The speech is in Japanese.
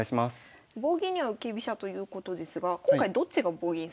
棒銀には浮き飛車ということですが今回どっちが棒銀するんですか？